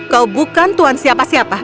kau bukan tuan siapa siapa